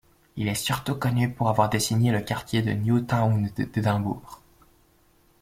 Il est surtout connu pour avoir dessiné le quartier de New Town d'Édimbourg.